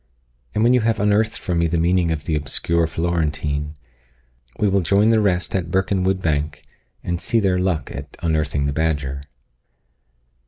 and when you have unearthed for me the meaning of the obscure Florentine, we will join the rest at Birkenwood bank, and see their luck at unearthing the badger."